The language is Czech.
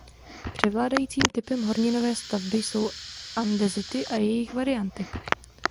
Převládajícím typem horninové stavby jsou andezity a jejich varianty.